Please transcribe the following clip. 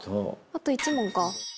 あと１問か。